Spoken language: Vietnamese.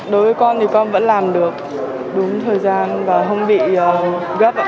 đối với con thì con vẫn làm được đúng thời gian và không bị gấp